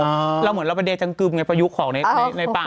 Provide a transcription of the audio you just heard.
อย่างล่ะเหมือนเราไปเดช์จังกึบไงประยุกต์ของในป่า